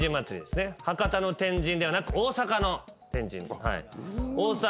博多の天神ではなく大阪の天神。